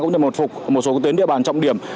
cũng như một phục một số tuyến địa bàn trọng điểm